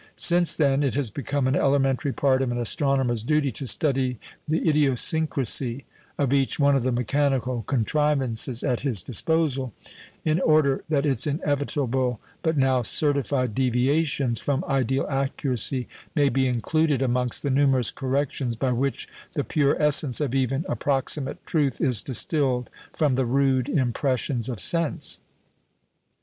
Since then, it has become an elementary part of an astronomer's duty to study the idiosyncrasy of each one of the mechanical contrivances at his disposal, in order that its inevitable, but now certified deviations from ideal accuracy may be included amongst the numerous corrections by which the pure essence of even approximate truth is distilled from the rude impressions of sense.